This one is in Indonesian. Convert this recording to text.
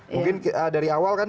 mungkin dari awal kan